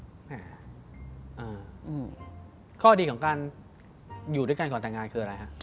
แม่ข้อดีของการอยู่ด้วยกันก่อนแต่งงานคืออะไรฮะ